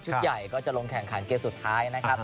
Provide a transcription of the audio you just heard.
ใหญ่ก็จะลงแข่งขันเกมสุดท้ายนะครับ